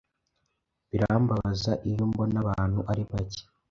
Birambabaza iyo mbona abantu ari bake